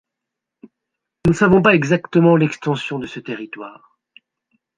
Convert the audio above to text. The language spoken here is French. Nous ne savons pas exactement l’extension de ce territoire.